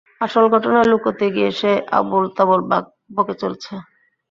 আসল ঘটনা লুকোতে গিয়ে সে আবােল-তাবােল বকে চলেছে।